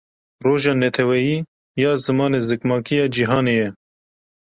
Roja Navneteweyî ya Zimanê Zikmakî Ya Cîhanê ye.